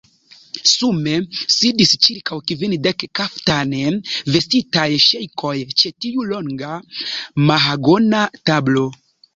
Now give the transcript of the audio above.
Sume sidis ĉirkaŭ kvindek kaftane vestitaj ŝejkoj ĉe tiu longa mahagona tablo.